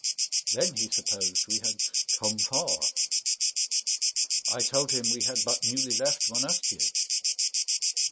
Then, he supposed, we had come far. I told him, we had but newly left Monastier.